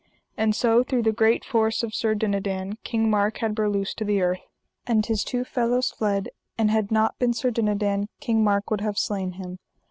And so through the great force of Sir Dinadan King Mark had Berluse to the earth, and his two fellows fled; and had not been Sir Dinadan King Mark would have slain him.